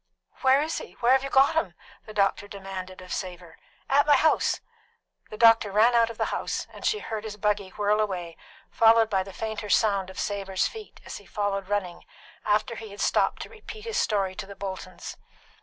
"Where is he? Where have you got him?" the doctor demanded of Savor. "At my house." The doctor ran out of the house, and she heard his buggy whirl away, followed by the fainter sound of Savor's feet as he followed running, after he had stopped to repeat his story to the Boltons.